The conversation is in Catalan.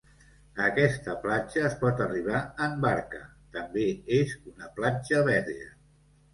A aquesta platja es pot arribar en barca, també és una platja verge.